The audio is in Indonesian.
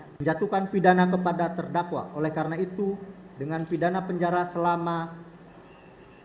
menjatuhkan pidana kepada terdakwa oleh karena itu dengan pidana penjara selama tahun